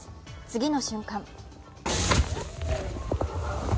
次の瞬間